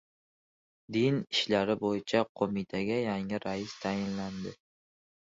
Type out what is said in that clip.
Din ishlari bo‘yicha qo‘mitaga yangi rais tayinlandi